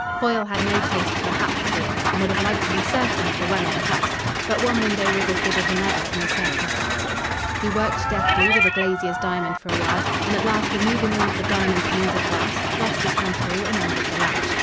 Foyle had no taste for the haphazard, and would have liked to be certain of the run of the house. But one window was as good as another in the circumstances. He worked deftly with a glazier's diamond for a while, and at last removing one of the diamond panes of glass thrust his hand through and undid the latch.